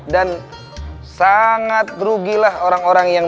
dan sangat rugilah orang orang yang